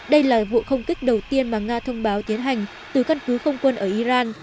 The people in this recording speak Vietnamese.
đây là vụ không kích đầu tiên mà nga thông báo tiến hành từ căn cứ không quân ở iran